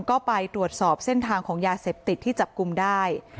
ก็ไปตรวจสอบเส้นทางของยาเสพติดที่จับกลุ่มได้